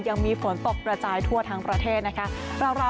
ยังมีฝนตกกระจายทั่วทั้งประเทศนะคะ